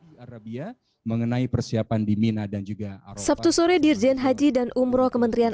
di arabia mengenai persiapan di mina dan juga sabtu sore dirjen haji dan umroh kementerian